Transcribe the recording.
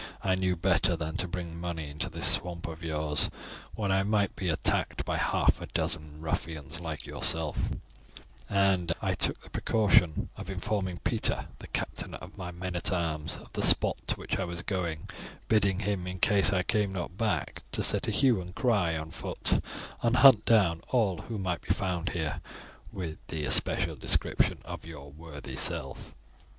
I knew better than to bring money into this swamp of yours, when I might be attacked by half a dozen ruffians like yourself; and I took the precaution of informing Peter, the captain of my men at arms, of the spot to which I was going, bidding him, in case I came not back, to set a hue and cry on foot and hunt down all who might be found here, with the especial description of your worthy self."